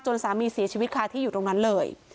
สามีเสียชีวิตคาที่อยู่ตรงนั้นเลย